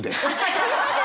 すみません！